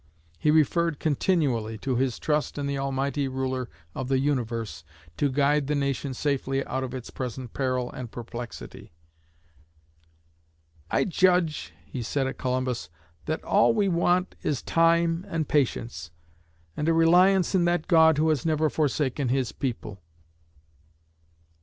He referred continually to his trust in the Almighty Ruler of the Universe to guide the nation safely out of its present peril and perplexity. "I judge," he said at Columbus, "that all we want is time and patience, and a reliance in that God who has never forsaken His people."